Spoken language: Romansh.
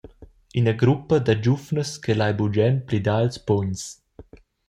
Ina gruppa da giuvnas che lai bugen plidar ils pugns.